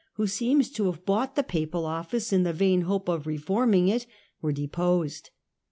who seems to have bought the papal office in the vain hope of reforming it, were deposed.